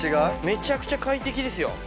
めちゃくちゃ快適ですよ。